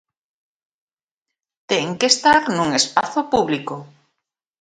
Ten que estar nun espazo público.